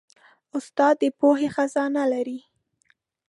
استاد د پوهې خزانه لري.